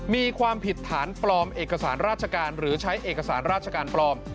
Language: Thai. มีความผิดฐานปลอมเอกสารราชการหรือใช้เอกสารราชการปลอม